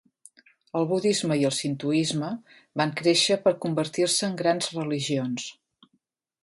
El budisme i el sintoisme van créixer per convertir-se en grans religions.